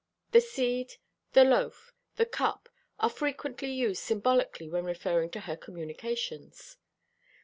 The seed, the loaf, the cup, are frequently used symbolically when referring to her communications.